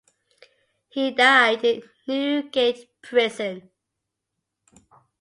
He died in Newgate Prison.